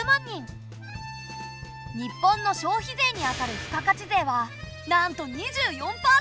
日本の消費税にあたる付加価値税はなんと２４％！